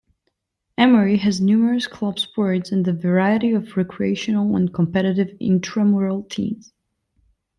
Emory has numerous club sports and a variety of recreational and competitive intramural teams.